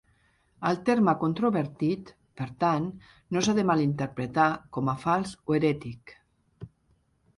El terme "controvertit", per tant, no s'ha de malinterpretar com a "fals" o "herètic".